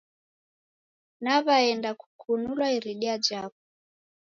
Naw'aenda kukunulwa iridia japo.